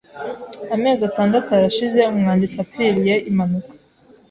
Amezi atandatu arashize umwanditsi apfiriye impanuka.